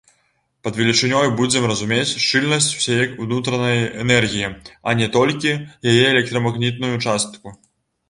Пад велічынёй будзем разумець шчыльнасць усяе ўнутранай энергіі, а не толькі яе электрамагнітную частку.